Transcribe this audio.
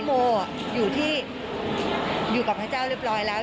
โมอยู่ที่อยู่กับพระเจ้าเรียบร้อยแล้ว